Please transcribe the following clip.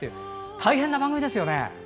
大変な番組ですよね。